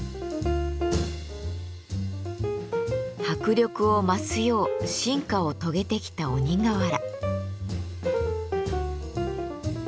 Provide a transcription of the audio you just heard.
迫力を増すよう進化を遂げてきた鬼瓦。